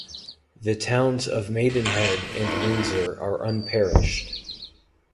The towns of Maidenhead and Windsor are unparished.